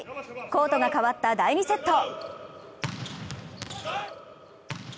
コートが変わった第２セット。